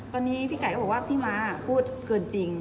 ตอนนี้พี่ไก่ก็บอกว่าพี่ม้าพูดเกินจริง